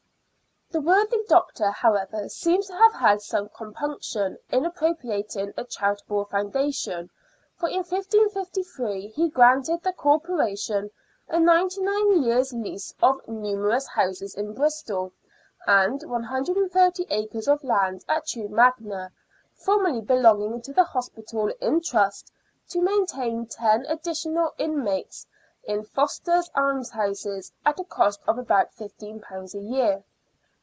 The worthy doctor, however, seems to have had some compunction in appropriating a charitable founda tion, for in 1553 he granted the Corporation a ninety nine years' lease of numerous houses in Bristol, and 130 acres of land at Chew Magna, formerly belonging to the Hospital in trust, to maintain ten additional inmates in Foster's Almshouses at a cost of about £15 a year.